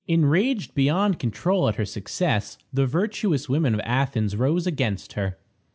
Enraged beyond control at her success, the virtuous women of Athens rose against her.